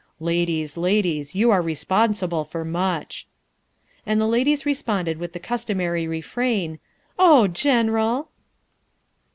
Ladies ! ladies ! you are respon sible for much." And the ladies responded with the customary re frain, " Oh General!"